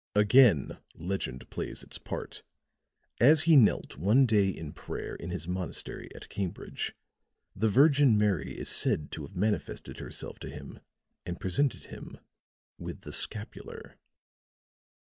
"Again legend plays its part. As he knelt one day in prayer in his monastery at Cambridge, the Virgin Mary is said to have manifested herself to him and presented him with the scapular."